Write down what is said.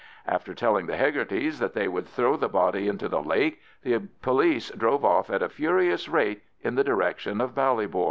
After telling the Hegartys that they would throw the body into the lake, the police drove off at a furious rate in the direction of Ballybor.